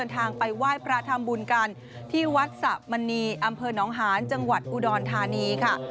ทางไปไหว้พระทำบุญกันที่วัดสะมณีอำเภอน้องหานจังหวัดอุดรธานีค่ะ